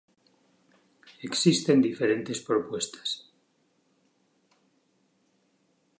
Existen diferentes propuestas.